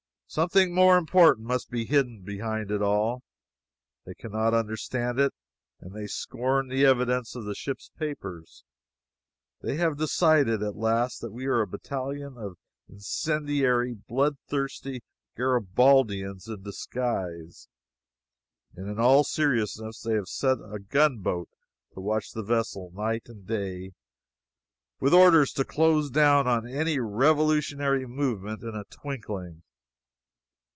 Something more important must be hidden behind it all. They can not understand it, and they scorn the evidence of the ship's papers. They have decided at last that we are a battalion of incendiary, blood thirsty Garibaldians in disguise! And in all seriousness they have set a gun boat to watch the vessel night and day, with orders to close down on any revolutionary movement in a twinkling!